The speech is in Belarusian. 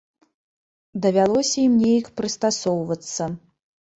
Давялося ім неяк прыстасоўвацца.